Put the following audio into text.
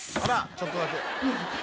ちょっとだけ。